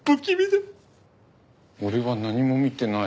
俺は何も見てない。